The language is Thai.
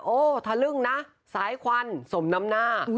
โอ้ทะลึ่งนะสายควันสมน้ำหน้า